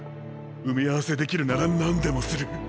埋め合わせできるならなんでもする。